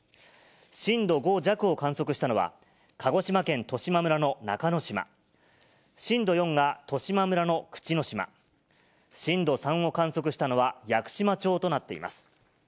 震度５弱を観測したのは、鹿児島県十島村の中之島、震度４が十島村のくちの島、震度３を観測したのは屋久島町となっています。